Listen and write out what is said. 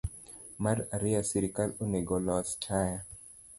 Mar ariyo, sirkal onego olos taya